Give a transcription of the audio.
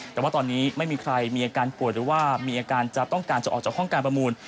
แต่ว่าตอนนี้ไม่มีใครมีอาการป่วยหรือว่ามีอาการจะต้องการจะออกจากห้องการประมูล